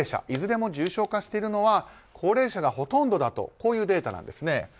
いずれも重症化しているのは高齢者がほとんどだというデータなんです。